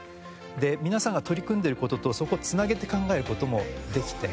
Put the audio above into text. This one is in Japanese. で皆さんが取り組んでる事とそこを繋げて考える事もできて。